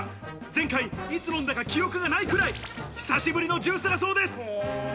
前回、いつ飲んだか記憶がないくらい、久しぶりのジュースだそうです。